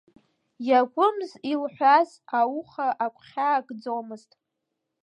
Иакәымз илҳәаз ауха агәхьаа икӡомызт.